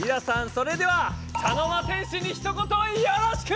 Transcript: それでは茶の間戦士にひと言よろしく！